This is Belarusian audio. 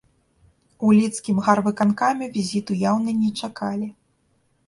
У лідскім гарвыканкаме візіту яўна не чакалі.